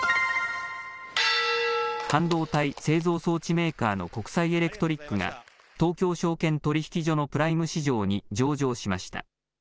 半導体製造装置メーカーのＫＯＫＵＳＡＩＥＬＥＣＴＲＩＣが、東京証券取引所のプライム市場に上場しました。